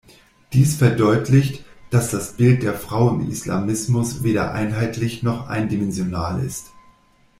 Dies verdeutlicht, dass das Bild der Frau im Islamismus weder einheitlich noch eindimensional ist.